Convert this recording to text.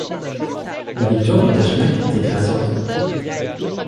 La victoire du Dashnak est écrasante.